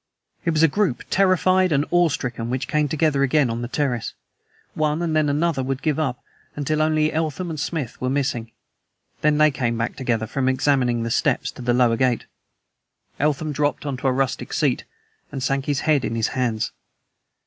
It was a group terrified and awestricken which came together again on the terrace. One and then another would give up, until only Eltham and Smith were missing. Then they came back together from examining the steps to the lower gate. Eltham dropped on to a rustic seat, and sank his head in his hands.